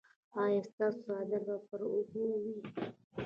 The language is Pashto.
ایا ستاسو څادر به پر اوږه وي؟